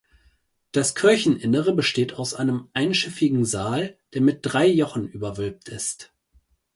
Das Kircheninnere besteht aus einem einschiffigen Saal, der mit drei Jochen überwölbt ist.